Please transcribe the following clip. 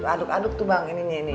aduk aduk tuh bang